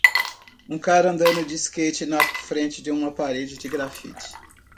Um cara andando de skate na frente de uma parede de graffiti